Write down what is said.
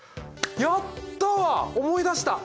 やったわ思い出した。